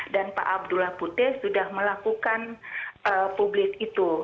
dan pak abdullah putih sudah melakukan publik itu